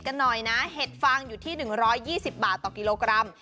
เสัอดลิฟท์ฟังอยู่ที่๑๒๐บาทต่อกิโลกรัม